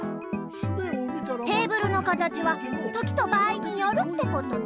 テーブルの形は時と場合によるってことね。